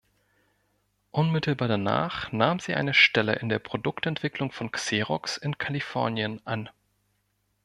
Unmittelbar danach nahm sie eine Stelle in der Produktentwicklung von Xerox in Kalifornien an.